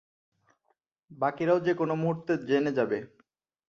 বাকিরাও যেকোনো মুহূর্তে জেনে যাবে।